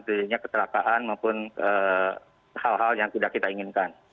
terjadinya kecelakaan maupun hal hal yang tidak kita inginkan